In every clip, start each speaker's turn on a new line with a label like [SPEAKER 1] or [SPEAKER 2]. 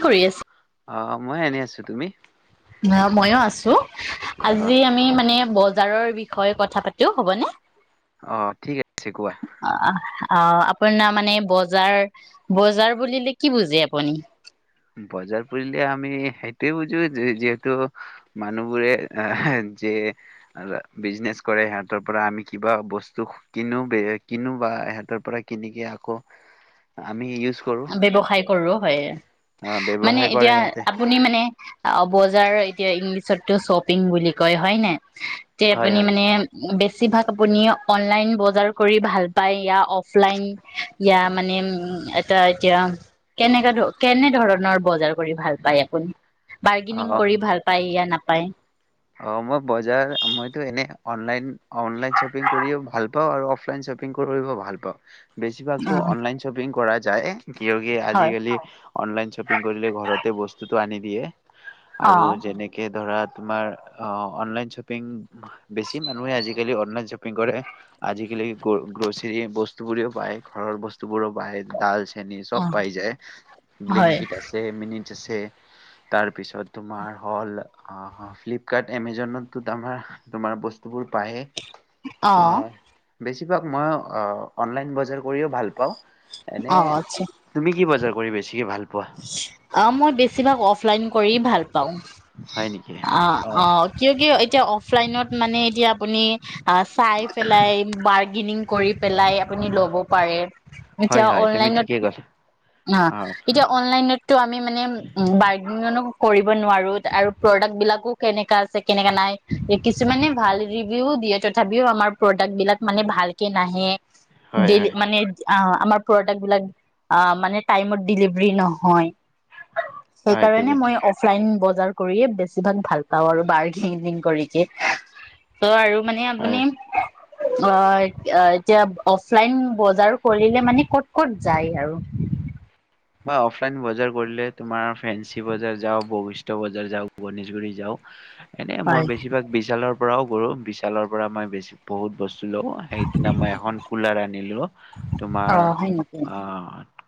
[SPEAKER 1] কি কৰি আছে?
[SPEAKER 2] অ মই আনি আছো তুমি?
[SPEAKER 1] অ মইয়ো আছো?
[SPEAKER 2] অ',
[SPEAKER 1] আজি আমি মানে ব। বজাৰৰ বিষয়ে কথা পাতিও হ'বনে।
[SPEAKER 2] অ ঠিক আছে কোৱা?
[SPEAKER 1] অ আপোনাৰ মানে বজাৰ বজাৰ বুলিলে কি বুজে আপুনি?
[SPEAKER 2] বজাৰ পৰিলে আমি সেইটোৱে বুজো যে যিহেতু মানুহবোৰে এ যে বিজনেচ কৰে সিহঁতৰ পৰা আমি কিবা বস্তু কিনো কিনো বা সিহঁতৰ পৰা কিনিকে আকৌ আমি ই।
[SPEAKER 1] ব্যৱসায় কৰো হয়।
[SPEAKER 2] অ',
[SPEAKER 1] মানে
[SPEAKER 2] ব্যৱসায় কৰে
[SPEAKER 1] এতিয়া
[SPEAKER 2] সিহঁতে।
[SPEAKER 1] আপুনি মানে। মানে অ বজাৰ এতিয়া ইংলিছতটো শ্বপিং বুলি কয় হয় ন। যে
[SPEAKER 2] হয়
[SPEAKER 1] আপুনি
[SPEAKER 2] হয়।
[SPEAKER 1] মানে বেছি? বেছিভাগ আপুনি অনলাইন বজাৰ কৰি ভাল পায় ইয়। অফ লাইন ইয়া। মানে উ। এ এতিয়া কেনেকা ধ কেনে ধৰণৰ বজাৰ। ভুনি বাৰ্গেনিং
[SPEAKER 2] অ',
[SPEAKER 1] কৰি ভাল পায় ইয় ন। পায়।
[SPEAKER 2] অ মই বজাৰ মইতো এনে অনলাইন অনলাইন শ্বপিং কৰিও ভাল পাওঁ আৰু অফলাইন শ্বপিং কৰিও ভাল পাওঁ? বেছিভাগতো
[SPEAKER 1] অ'।
[SPEAKER 2] অনলাইন শ্বপিং কৰাত। যায়। কিয় কি
[SPEAKER 1] হয়
[SPEAKER 2] আজিকালি অনলাইন শ্বপিং কৰিলে ঘৰতে বস্তু? আনি দিয়ে।
[SPEAKER 1] অ
[SPEAKER 2] আৰু যেনেকে ধৰা। তোমাৰ? অ অনলাইন শ্বপিং বেছি মানুহে আজিকালি অনলাইন শ্বপিং কৰে আজিকালি গ্ৰচৰী বস্তু বোৰেও পায় ঘৰৰ বস্তুবোৰও? ডাল চেনি চব
[SPEAKER 1] অ
[SPEAKER 2] পাই যায়
[SPEAKER 1] হয়
[SPEAKER 2] ব্লিংকিত আছে মিন। তাৰপিছত তোমাৰ হল ফ কাৰ্ট এমেজনতো ত আমাৰ তোমাৰ বস্তুবোৰ পায়ে
[SPEAKER 1] অ
[SPEAKER 2] আহ বেছিভাগ মই অনলাইন বজাৰ কৰিও ভাল পাওঁ এনে
[SPEAKER 1] অ
[SPEAKER 2] তুমি কি বজাৰ কৰি বেছিকে ভাল পোৱা
[SPEAKER 1] আহ মই বেছিভাগ অফলাইন কৰি ভাল পাওঁ
[SPEAKER 2] হয় নেকি?
[SPEAKER 1] অ অকে কি এতিয়া অফলাইনত মানে এতিয়া আপুনি চাই পেলাই গিনিং কৰি পেলাই আপুনি লব পাৰে
[SPEAKER 2] হয়
[SPEAKER 1] এতিয়া
[SPEAKER 2] হয় তুমি
[SPEAKER 1] অনলাইন
[SPEAKER 2] ঠিকেই ক'লা অ
[SPEAKER 1] এতিয়া অনলাইনটো আমি মানে ব কৰিব নোৱাৰো আৰু প্ৰডাক্ট বিলাকো কেনেকা আছে কেনেকা নাই কিছুমানে ভাল ৰিভিও দিয়ে তথাপিও আমাৰ প্ৰডাক্ট বিলাক মানে ভালকে নাহে।
[SPEAKER 2] হয়
[SPEAKER 1] ডেলি
[SPEAKER 2] হয়
[SPEAKER 1] মানে অ আমাৰ প্ৰডাক্ট বিলাক অ মানে টাইমত ডেলিভাৰী নহয়।
[SPEAKER 2] হয়
[SPEAKER 1] সেইকাৰণে
[SPEAKER 2] তুমি
[SPEAKER 1] মই
[SPEAKER 2] ঠিক
[SPEAKER 1] অফলাইন বজাৰ কৰিয়ে বেছি ভাগ ভাল পাওঁ আৰু বাৰ্গেনিং কৰি যে ত আৰু মানে
[SPEAKER 2] হয়
[SPEAKER 1] আপুনি অ এতি এতিয়া অফলাইন বজাৰ কৰিলে মানে ক'ত ক'ত যায় আৰু
[SPEAKER 2] মই অফলাইন বজাৰ কৰিলে তোমাৰ ফেনচি বজাৰ যাও বশিষ্ট বজাৰ যাও গণেশগুৰি যাও এনেই
[SPEAKER 1] হয়
[SPEAKER 2] মই বেছিভাগ বিশালৰ পৰাও কৰো বিশালৰ পৰা মই বেছি বহুত বস্তু লও সেইদিনা মই এখন কুলাৰ আনিলো
[SPEAKER 1] অ
[SPEAKER 2] তোমাৰ
[SPEAKER 1] হয় নেকি
[SPEAKER 2] অ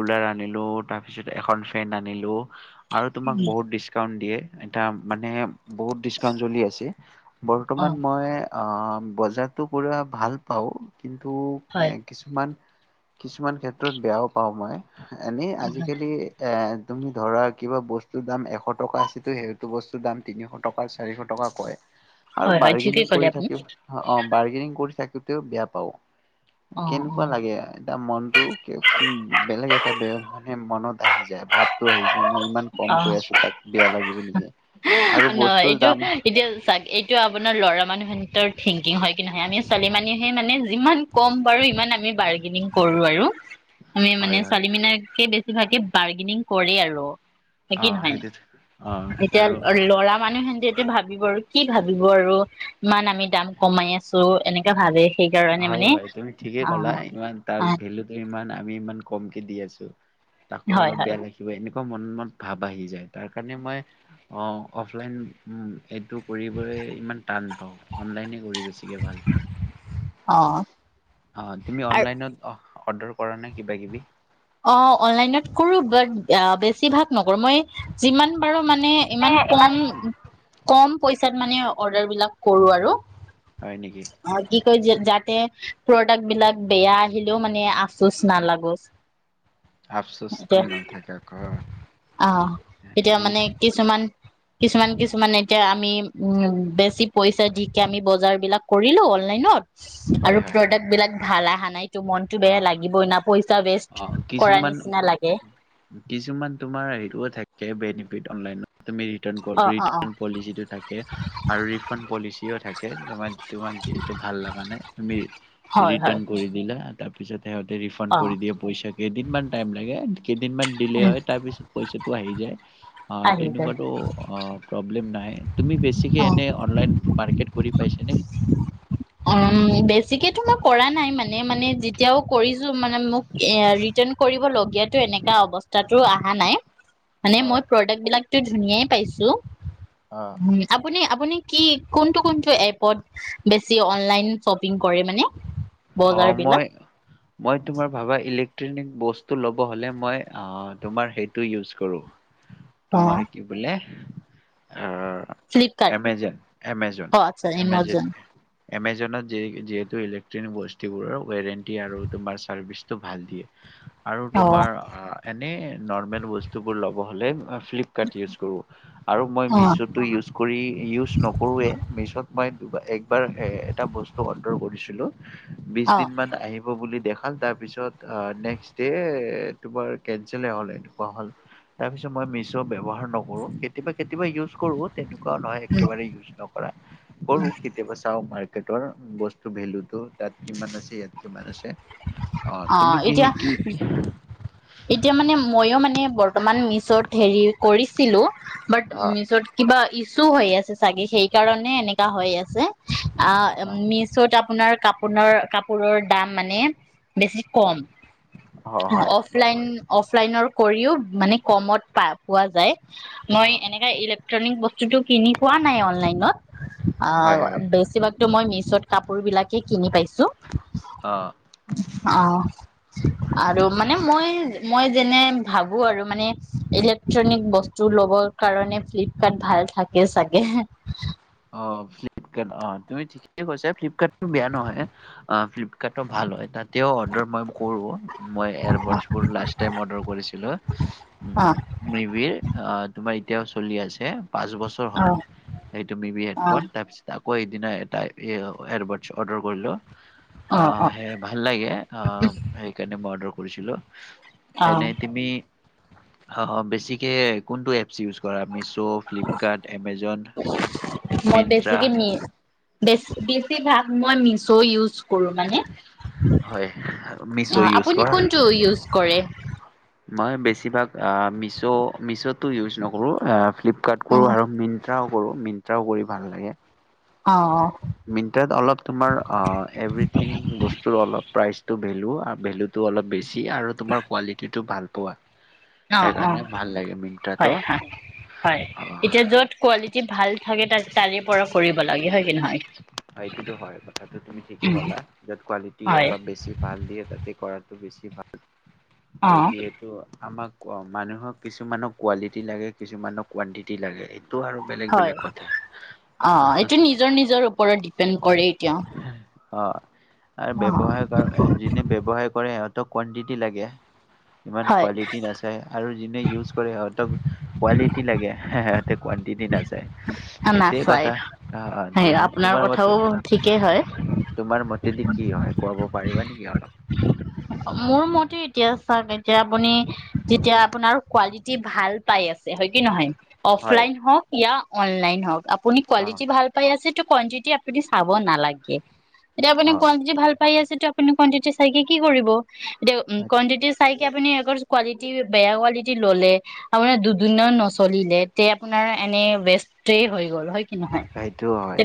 [SPEAKER 2] কুলাৰ আনিলো তাৰ পিছত এখন ফেন আনিলো আৰু তোমাক বহুত ডিচকাউণ্ট দিয়ে এতা মানে বহুত ডিচকাউন্ চলি আছে।
[SPEAKER 1] অ
[SPEAKER 2] বৰ্তমান মই অ বজাৰটো কৰি ভাল পাওঁ কিন্তু
[SPEAKER 1] হয়
[SPEAKER 2] এ কিছুমান কিছুমান ক্ষেত্ৰত বেয়াও পাওঁ মই এনেই আজিকালি এ তুমি ধৰা কিবা বস্তুৰ দাম এশ টকা আছে সেইটো বস্তুৰ দাম তিনিশ টকা চাৰিশ টকা কয়। আৰু
[SPEAKER 1] হয় হয়
[SPEAKER 2] বাৰ্গেনিং
[SPEAKER 1] ঠিকেই ক'লে
[SPEAKER 2] কৰি
[SPEAKER 1] আপুনি
[SPEAKER 2] থাকি অ বাৰ্গেনিং কৰি থাকি তেও বেয়া পাও
[SPEAKER 1] অ
[SPEAKER 2] কেনেকুৱা
[SPEAKER 1] অ
[SPEAKER 2] লাগে এতিয়া মনটো কি বেলেগে এ বে মানে মনত আহি যায় ভাৱতো আহি যায় মই ইমান কম
[SPEAKER 1] অ
[SPEAKER 2] কৈ আছো তাক বেয়া লাগিব নেকি আৰু
[SPEAKER 1] নহ
[SPEAKER 2] বস্তুৰ
[SPEAKER 1] এইটো
[SPEAKER 2] দাম
[SPEAKER 1] এতিয়া চাওক এইটো আপোনাৰ লৰা মানুহৰ ভিতৰত থিংকিং হয় নহে আমি ছোৱালী মানুহে মানে যিমান কম কৰে ইমান আমি বাৰ্গেনিং কৰোৱে ন আৰু আমি মানে
[SPEAKER 2] হয় হয়
[SPEAKER 1] ছোৱালী মানে বেছি কিভাগে বাৰ্গেনিং কৰে আৰু হয়
[SPEAKER 2] অ
[SPEAKER 1] কি নহয়
[SPEAKER 2] সেইটো অ
[SPEAKER 1] এতিয়া
[SPEAKER 2] আৰু
[SPEAKER 1] ল'ৰা মানুহে যিহেতু ভাৱিব আৰু কি ভাৱিব আৰু ইমান আমি দাম কমাই আছো এনেকা ভাৱে
[SPEAKER 2] হয় হয় তুমি ঠিকেই ক'লা ইমান তাৰ
[SPEAKER 1] অ
[SPEAKER 2] ভেলু ত ইমান আমি ইমান কমকে দি আছো। তাকো
[SPEAKER 1] হয়
[SPEAKER 2] অলপ
[SPEAKER 1] হয়
[SPEAKER 2] বেয়া লাগিব এনেকোৱা মন মত ভাৱ আহি যায় তাৰ কাৰণে মই অফলাইন এইটো কৰিবলৈ ইমান টান পাওঁ অনলাইনে কৰি বেছিকে ভাল পাওঁ।
[SPEAKER 1] অ
[SPEAKER 2] অ তুমি
[SPEAKER 1] আৰু
[SPEAKER 2] অনলাইনত অ অৰ্ডাৰ কৰা নাই কিবা কিবি
[SPEAKER 1] অ অনলাইনত কৰো বাট বেছিভাগ নকৰো মই যিমান পাৰো মানে
[SPEAKER 2] মানে
[SPEAKER 1] ইমানেই
[SPEAKER 2] ইমান
[SPEAKER 1] কম কম পইচা মানে অৰ্ডাৰ বিলাক কৰো আৰু
[SPEAKER 2] হয় নেকি
[SPEAKER 1] আৰু কি কৈ জাত প্ৰডাক্ট বিলাক বেয়া আহিলেও মানে আফোচ নালাগোচ
[SPEAKER 2] আফচস্ত
[SPEAKER 1] এতিয়া
[SPEAKER 2] নাথাকে আকৌ
[SPEAKER 1] আহ এতিয়া
[SPEAKER 2] ধুমি
[SPEAKER 1] মানে
[SPEAKER 2] থাকে
[SPEAKER 1] কিছুমান কিছুমান কিছুমান এতিয়া আমি উ বেছি পইচা দিকে আমি বজাৰ বিলাক কৰিলো অনলাইনত আৰু
[SPEAKER 2] হয় হয়
[SPEAKER 1] প্ৰডাক্ট বিলাক ভাল অহা নাই টো মনতটো বেয়া
[SPEAKER 2] অ'
[SPEAKER 1] লাগিবই না পইচা বেষ্ট
[SPEAKER 2] অ কিছুমান কিছুমান তোমাৰ হেৰিটোও থাকে বেনিফিট অ অনলাইন তুমি ৰিটাৰ্ণ
[SPEAKER 1] অ অ অ
[SPEAKER 2] পলিচিটো থাকে আৰু ৰিফাণ্ড পলিচিও থাকে তোমাক যিহেতু ভাল লগা নাই তুমি
[SPEAKER 1] হয় হয়
[SPEAKER 2] ৰিটাৰ্ণ কৰি দিলা। তাৰপিছত সিহঁ ৰিফাণ্ড
[SPEAKER 1] অ
[SPEAKER 2] কৰি দিয়ে পইচা কেইদিনমান টাইম লাগে। কেইদিনমান দিলে
[SPEAKER 1] উম
[SPEAKER 2] হয় তাৰ পিছত পইচাটো আহি যায়।
[SPEAKER 1] আহি যায়
[SPEAKER 2] তেনেকুৱা তো অ পবলেম প্ৰব্লেম নাই। তুমি
[SPEAKER 1] অ
[SPEAKER 2] এনেকে অনলাইন মাৰ্কেট, পাইছা নে?
[SPEAKER 1] উম বেছিকে তো মই কৰা নাই মানে মানে যেতিয়াও কৰি। মোৰ মানে মোক এই ৰিটান কৰিবলগীয়া অবস্তাটো অহা নাই। মানে
[SPEAKER 2] অ
[SPEAKER 1] মই প্ৰদাৰ্গ বিলাক টো ধুনীয়াই পাইছো
[SPEAKER 2] অ
[SPEAKER 1] উম আপুনি? আপুনি কি কোনটো কোনটো এপত বেছি অনলাইন শ্বপিং কৰে মানে?
[SPEAKER 2] অ
[SPEAKER 1] বজাৰ
[SPEAKER 2] মই
[SPEAKER 1] বিলাক
[SPEAKER 2] মই তোমাৰ ভাবা ইলেক্ট্ৰন ইলেকট্ৰনিক ল'ব হ'লে মই ক তোমাৰ সেইটো ইউচ কৰো। তোমাৰ
[SPEAKER 1] অ',
[SPEAKER 2] কি বোলে? অ
[SPEAKER 1] ফ্লিপকাৰ্ট
[SPEAKER 2] এমেজন এমেজন
[SPEAKER 1] অ', আচ্ছা
[SPEAKER 2] এমেজন
[SPEAKER 1] এমাজন
[SPEAKER 2] এমেজনত যিহেতু ইলেক বস্তুবোৰৰ ৱাৰান্টি আৰু তোমাৰ চাৰ্ভিচটো ভাল দিয়ে আৰু
[SPEAKER 1] অ',
[SPEAKER 2] তোমাৰ? এনেই নৰ্মেল বস্তুবোৰ ল'ব হ'লে ফ্লিপকাৰ্ট ইউজ কৰোঁ আৰু মই
[SPEAKER 1] অ',
[SPEAKER 2] মিছ'টো ইউজ কৰি ইউজ নকৰোঁৱেই মিছ'ত মই, একবাৰ এটা বস্তু অৰ্ডাৰ কৰিছিলোঁ বিশ
[SPEAKER 1] অ',
[SPEAKER 2] দিন মান আহিব বুলি দেখাই খাল তাৰপিছত নেক্সট ডে তোমাৰ কেনচেলহে হ'ল এনেকুৱা হ'ল তাৰপিছত মই মিছ্ব' ব্যৱহাৰ নকৰোঁ কেতিয়াবা কেতিয়াবা ইউজ কৰোঁ। তেনেকুৱাও নহয়
[SPEAKER 1] উম,
[SPEAKER 2] একেবাৰে ইউজ নকৰা কৰো কেতিয়াবা চাও। টৰ বস্তু ভেলুটো তাত কিমান আছে ইয়াত কিমান আছে।
[SPEAKER 1] অ
[SPEAKER 2] তুমি কি
[SPEAKER 1] এতিয়া
[SPEAKER 2] কি কি
[SPEAKER 1] এতিয়া মানে মইয়ো মানে বৰ্তমান মিছ্বত হেৰি কৰিছিলো বাট নিজত কিবা চু হৈ আছে চাগে সেই কাৰণে এনেকা হৈ আছে। আ মিচত আপোনাৰ কাপ আপোনাৰ কাপোৰৰ দাম মানে বেছি কম।
[SPEAKER 2] অ হয়
[SPEAKER 1] অফলাইন অফ অফলাইনৰ কৰিও মানে কমত পা পোৱা যায়। মই
[SPEAKER 2] অ
[SPEAKER 1] এনেকা ইলেক্ট্ৰনিক বস্তু বস্তুটো কিনি পোৱা নাই অনলাইনত। অ
[SPEAKER 2] হয় হয়
[SPEAKER 1] বেছিভাগতো মই মিছ পিছত কাপোৰ বিলাকে কিনি পাইছে।
[SPEAKER 2] অহ
[SPEAKER 1] অ আৰু মানে মই মই যেনে ভাবোঁ আৰু মানে ইলেক্ট্ৰনিক বস্তু লবৰ কাৰণে ফ্লিপকাৰ্ট ভাল থাকে চাগে।
[SPEAKER 2] অ ফ্লিপকাৰ্ট অ তুমি ঠিকে কৈছা ফ্লিপকাৰ্টত। বেয়া নহয় অ ফ্লিপকাৰ্টো ভাল হয় তাতেও অৰ্ডাৰ মই কৰোঁ। মই এয়াৰবছোৰ লাৰ্চ টাইম অৰ্ডাৰ কৰিছিলোঁ
[SPEAKER 1] অ
[SPEAKER 2] মিভিৰ তোমাৰ। এতিয়াও চলি আছে পাঁচ বছৰ হ'ল
[SPEAKER 1] অ
[SPEAKER 2] সে বি বি
[SPEAKER 1] অ
[SPEAKER 2] হেডফোন তাইপ চি পা। আকৌ সেইদিনা এটা এয়াৰবডছ অৰ্ডাৰ কৰিলোঁ। অ সেই ভাল লাগে অ সেইকাৰণে মৰ্ডাৰ কৰিছিলোঁ।
[SPEAKER 1] অ
[SPEAKER 2] এনেই তিমি। অ অ বেছিকে কোনটো এপছ ইউজ কৰা। ত ফ্লিপকাৰ্ট এমেজন
[SPEAKER 1] মই
[SPEAKER 2] মিন্ত্ৰা
[SPEAKER 1] বেছিকে মি। বেছ বেছি ভাগ মই মিছ ইউজ। কৰোঁ মানে
[SPEAKER 2] হয় মিছ' ইউজ
[SPEAKER 1] আপুনি
[SPEAKER 2] কৰা?
[SPEAKER 1] কোনটো ইউজ কৰে।
[SPEAKER 2] মই বেছিভাগ মিছ মিছতো ইউজ নকৰোঁ। ফ্লিপকাৰ্ট
[SPEAKER 1] অ
[SPEAKER 2] কৰোঁ আৰু মিন্ত্ৰাও। কৰোঁ মিন্ত্ৰাও কৰি ভাল লাগে।
[SPEAKER 1] অ অ
[SPEAKER 2] মিন্ত্ৰাত অলপ তোমাৰ অ এভ্ৰীথিং বস্তুৰ অলপ প্ৰাইচটো। ভেলু ভেলুটো অলপ বেছি আৰু তোমাৰ কুৱালিটিটো ভাল পোৱা।
[SPEAKER 1] অ অ
[SPEAKER 2] সেইকাৰণে ভাল লাগে মিন্ত্ৰাটো
[SPEAKER 1] হয়
[SPEAKER 2] অ
[SPEAKER 1] হয় হয় এতিয়া য'ত কোৱালিটি ভাল থাকে তাৰে পৰা কৰিব লাগে হয়। কি নহয়।
[SPEAKER 2] এইটোতো হয় কথাটো তুমি ঠিকেই
[SPEAKER 1] উম,
[SPEAKER 2] কলা য'ত কোৱালিটি
[SPEAKER 1] হয়,
[SPEAKER 2] অলপ বেছি ভাল দিয়ে তাতে কৰা। টো বেছি ভাল আৰু
[SPEAKER 1] অ',
[SPEAKER 2] যিহেতু আমাক ক মানুহক কিছুমানৰ কোৱালিটি লাগে কিছুমানৰ কুৱাণ্টিটি লাগে টো আৰু বেলেগ
[SPEAKER 1] হয়,
[SPEAKER 2] বেলেগ কথা
[SPEAKER 1] অ', এইটো নিজৰ নিজৰ ওপৰত ডিপেণ্ড কৰে এতিয়া
[SPEAKER 2] অ আৰু
[SPEAKER 1] অ',
[SPEAKER 2] ব্যৱসায় কৰে যোনে ব্যৱসায় কৰে সিহঁত কুৱাণ্টিটি লাগে ইমান
[SPEAKER 1] হয়,
[SPEAKER 2] কোৱালিটি নাচায় আৰু যোনে ইউজ কৰে সিহঁতক কোৱালিটি লাগে সিহঁতে কোৱাণ্টিটি নাচায় সেইটোৱে
[SPEAKER 1] নাচাই
[SPEAKER 2] কথা অ অ
[SPEAKER 1] সেই
[SPEAKER 2] তুমিও
[SPEAKER 1] কথাও [unintelligible] ঠিকেই হয়
[SPEAKER 2] তোমাৰ মতেদি কি হয় কব পাৰিবা নেকি অলপ
[SPEAKER 1] মোৰ মতে এতিয়া চাওক এতিয়া আপুনি যেতিয়া আপোনাৰ কোৱালিটি ভাল পাই আছে হয় কি নহয়
[SPEAKER 2] হয়
[SPEAKER 1] অফলাইন হওক ইয়া অনলাইন হওক আপুনি
[SPEAKER 2] অ
[SPEAKER 1] কোৱালিটি ভাল পাই আছে ত কোৱাণ্টিটী আপুনি চাব নালাগে এতিয়া আপোনি
[SPEAKER 2] অ
[SPEAKER 1] কোৱাণ্টিটি ভাল পায় আছেে ত আপোনি কোৱাণ্টিটি চাই কি কৰিব দে কোৱাণ্টিটি চাই আপুনি কোৱালিটি বেয়া কোৱালিটি ললে আপোনাৰ দুদিন নচলিলে তে আপোনাৰ এনে ৱেষ্টেই হৈ গ'ল হয় কি নহয়
[SPEAKER 2] সেইটো হয়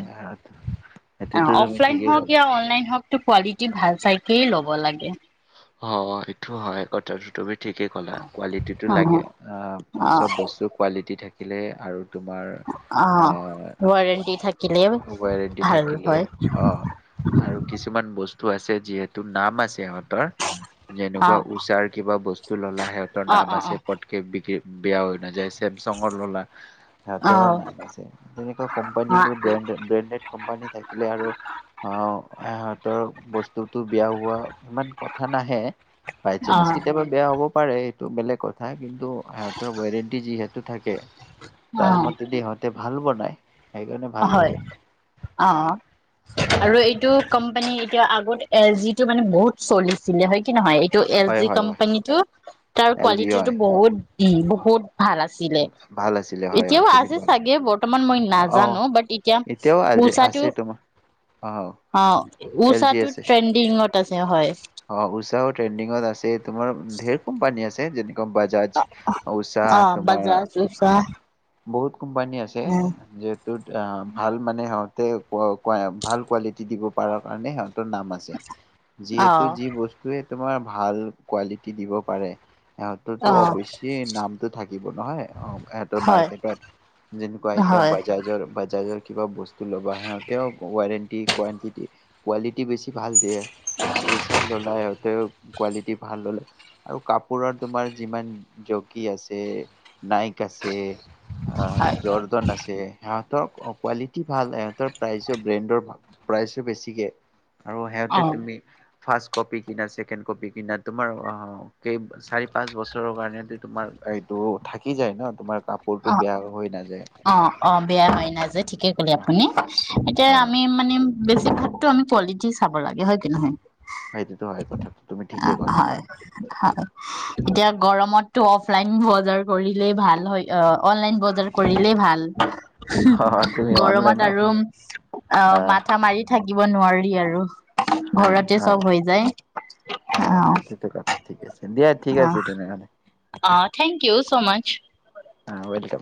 [SPEAKER 2] সেইটোতো তুমি
[SPEAKER 1] অফলাইন
[SPEAKER 2] ঠিকেই
[SPEAKER 1] হওক
[SPEAKER 2] ক'লা
[SPEAKER 1] অনলাইন হওক কোৱালিটি ভাল চাই কি ল'ব লাগে [unintelligible] [unintelligible]
[SPEAKER 2] অ অ এইটো হয় কথা তুমি ঠিকে ক'লা কোৱালিটি টো
[SPEAKER 1] অ
[SPEAKER 2] লাগে অ চব বস্তু কোৱালিটি থাকে থাকিলে আৰু তোমাৰ
[SPEAKER 1] অ ৱাৰেণ্টি থাকিলে
[SPEAKER 2] ৱাৰেণ্টি
[SPEAKER 1] ভাল
[SPEAKER 2] থাকিলে
[SPEAKER 1] হয়
[SPEAKER 2] অ আৰু কিছুমান বস্তু তো আছে যিহেতো নাম আছে সিহঁতৰ
[SPEAKER 1] অ
[SPEAKER 2] যেনেকুৱা উষাৰ কিবা বস্তু ললা সিহঁতৰ
[SPEAKER 1] অ
[SPEAKER 2] নাম
[SPEAKER 1] অ অ
[SPEAKER 2] আছে পটককে বিক্ৰী বেয়া হয় নাই যায় চেমচংৰ ললা?
[SPEAKER 1] অ
[SPEAKER 2] সিহতৰৰ নাম আছে তেনেকুৱা কোম্পানী
[SPEAKER 1] অ
[SPEAKER 2] বোৰ ব্ৰেড ব্ৰেণ্ডেড কোম্পানী থাকিলে আৰু অ সহ। বস্তুটো বেয়া হোৱা ইমান কথা। নাহে। বাইচাচন কেতিয়াবা বেয়া হ'ব। পাৰে এইটো বেলেগ কথা কিন্তু? সিহঁতৰ ৱাৰেণ্টি যিহেতু। টো থাকে।
[SPEAKER 1] অ
[SPEAKER 2] তাৰ মতে দি সিহঁতে। ভাল বনাই।
[SPEAKER 1] হয় অ আৰু এইটো? কোম্পানী এতিয়া আগত এ যিটো মানে বহুত চলিছিলে হয় কি নহয়। এল
[SPEAKER 2] হয়
[SPEAKER 1] জি
[SPEAKER 2] হয় হয়
[SPEAKER 1] কোম্পানী তটো তাৰ
[SPEAKER 2] এল জি
[SPEAKER 1] কোৱালিটি টো
[SPEAKER 2] হয়
[SPEAKER 1] বহুত দি। ফুত। ভাল আছিলে
[SPEAKER 2] ভাল আছিলে হয় হয়
[SPEAKER 1] এতিয়াও
[SPEAKER 2] তুমি
[SPEAKER 1] আছে
[SPEAKER 2] ভাল
[SPEAKER 1] চাগে বৰ্তমান মই নাাজো।
[SPEAKER 2] অ
[SPEAKER 1] জানো বাট এতিয়া
[SPEAKER 2] এতিয়াও আজি
[SPEAKER 1] উষাটো
[SPEAKER 2] আছে তোমাৰ অ
[SPEAKER 1] অ
[SPEAKER 2] এল জি
[SPEAKER 1] ষাটো
[SPEAKER 2] আছে
[SPEAKER 1] ট্ৰেণ্ডিঙত। তাছে হয়।
[SPEAKER 2] অ উষাও ট্ৰেণ্ডিঙত আছে তোমাৰ ধঢেৰ কোম্পানী আছে? সেই জিনি। ম বাজাজ উষা
[SPEAKER 1] অ
[SPEAKER 2] তোমাৰ?
[SPEAKER 1] বাজাজ উষা
[SPEAKER 2] বহুত। কোম্পানী আছে
[SPEAKER 1] উম
[SPEAKER 2] যটোত ভাল মানে হক। তা ভাল কোৱালিটি দিব পৰাৰ কাৰণে হল। নাম আছে
[SPEAKER 1] অ
[SPEAKER 2] যিহেতু। যি বস্ত তমাৰ ভাল কি দিব পাৰে? ইহঁতৰো
[SPEAKER 1] অ
[SPEAKER 2] অৱশ্যে নামতো থাকিব নহয় অ ইহঁতৰ
[SPEAKER 1] হয়
[SPEAKER 2] মাৰ্কেটত যেনেকুৱা এতিয়া
[SPEAKER 1] হয়
[SPEAKER 2] বাজাজৰ বাজাজৰ। কিবা বস্তু ল'বা সিহঁতে ৱাৰেণ্টি কোৱণ্টিটি কোৱালিটি বেছি ভাল দিয়ে? চচাৰ ললাই সিহঁতেও কোৱালিটি ভাল ললে আৰু কাপোৰৰ তোমাৰ যিমান জকি আছে নাইক আছে? অ
[SPEAKER 1] হয়
[SPEAKER 2] জৰ জৰ ন আছে হাত। সহঁতৰ কোৱালিটি ভালহঁতৰ প্ৰাইচো ব্ৰেণ্ডৰাল প্ৰাইচো বেছিকে? আৰু
[SPEAKER 1] অ
[SPEAKER 2] সিহঁতে তুমি। ফাৰ্ষট কপি কিনা ছেকেণ্ড কপি কিনা তোমাৰ অ কেই চাৰি পাঁচ বছৰৰ কাৰণো তোমাৰ এইটো থাকি যায় ন তোমাৰ? কাপোৰটো
[SPEAKER 1] অ
[SPEAKER 2] বেয়া হৈ নাযায়।
[SPEAKER 1] অ অ বেয়া হয় নাই যে ঠিকে কলে আপুনি? যে
[SPEAKER 2] অ
[SPEAKER 1] আমি মানে। বেছি ভাগতো আমি কোৱালিটি চাব লাগে হয় কি নহয়?
[SPEAKER 2] সেইটোতো হয় কথাটো তুমি
[SPEAKER 1] অ
[SPEAKER 2] ঠিকেই ক'লা
[SPEAKER 1] হয়, হয় এতিয়া গৰমত টো অফলাইন বজাৰ কৰিলেই ভাল হয়। অ অনলাইন বজাৰ কৰিলেই ভাল।
[SPEAKER 2] অ তুমি অনলাইন
[SPEAKER 1] গৰমত আৰু অ
[SPEAKER 2] হয়
[SPEAKER 1] মাথা মাৰি থাক থাকিব নোৱাৰি আৰু
[SPEAKER 2] হয় নে
[SPEAKER 1] ঘৰতে চব
[SPEAKER 2] হয়,
[SPEAKER 1] হৈ যায়
[SPEAKER 2] অ সেইটোতো কথা ঠিক আছে দিয়া। ঠিক
[SPEAKER 1] অ
[SPEAKER 2] আছে তেনেহ'লে।
[SPEAKER 1] অ থেংক ইউ ছ' মচ।
[SPEAKER 2] অ ৱেলকাম।